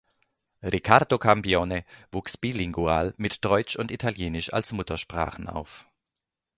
Riccardo Campione wuchs bilingual mit Deutsch und Italienisch als Muttersprachen auf.